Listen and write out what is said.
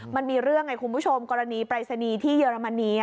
มันมีเรื่องไงคุณผู้ชมกรณีปรายศนีย์ที่เยอรมนี